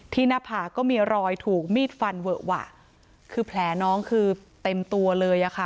หน้าผากก็มีรอยถูกมีดฟันเวอะหวะคือแผลน้องคือเต็มตัวเลยอะค่ะ